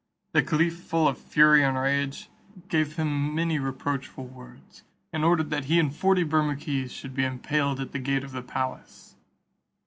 The caliph, full of fury and rage, gave him many reproachful words, and ordered that he and forty Bermukkees should be impaled at the gate of the palace.